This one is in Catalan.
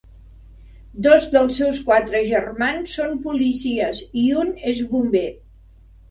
Dos dels seus quatre germans són policies i un és bomber.